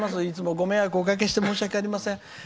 いつもご迷惑をおかけして申し訳ありません。